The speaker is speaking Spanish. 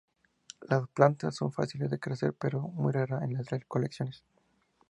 Las plantas son fáciles de crecer, pero muy rara en las colecciones.